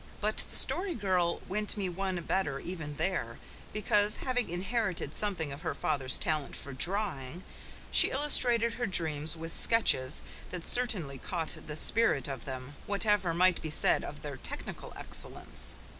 But the Story Girl went me one better even there, because, having inherited something of her father's talent for drawing, she illustrated her dreams with sketches that certainly caught the spirit of them, whatever might be said of their technical excellence.